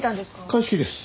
鑑識です。